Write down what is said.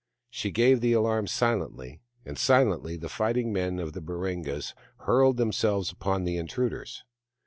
She gave the alarm silently, and silently the fighting men of the Baringas hurled themselves upon the intruders.